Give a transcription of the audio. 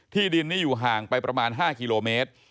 ที่ดินนี้อยู่ห่างไปประมาณ๕กิโลเมตร